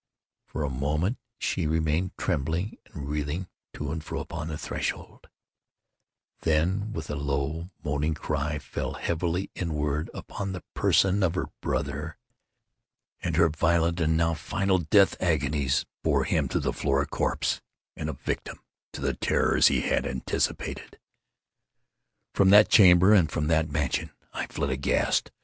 For a moment she remained trembling and reeling to and fro upon the threshold—then, with a low moaning cry, fell heavily inward upon the person of her brother, and in her violent and now final death agonies, bore him to the floor a corpse, and a victim to the terrors he had anticipated. From that chamber, and from that mansion, I fled aghast.